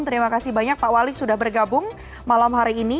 terima kasih banyak pak wali sudah bergabung malam hari ini